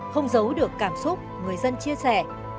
không giấu được cảm xúc người dân chia sẻ